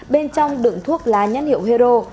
bên trong đựng thuốc là nhắn hiệu hero